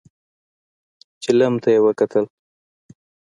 چيلم ته يې وکتل.